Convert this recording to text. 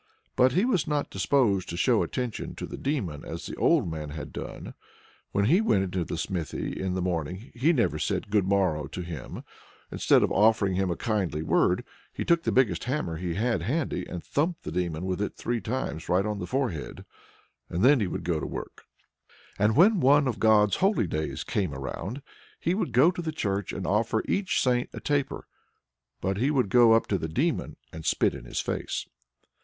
But he was not disposed to show attention to the Demon as the old man had done. When he went into the smithy in the morning, he never said "Good morrow" to him; instead of offering him a kindly word, he took the biggest hammer he had handy, and thumped the Demon with it three times right on the forehead, and then he would go to his work. And when one of God's holy days came round, he would go to church and offer each saint a taper; but he would go up to the Demon and spit in his face.